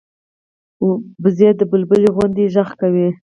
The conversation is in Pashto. وزې د بلبلي غوندې غږ کوي